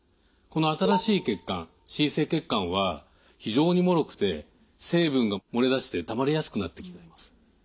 この新しい血管新生血管は非常にもろくて成分が漏れ出してたまりやすくなってきています。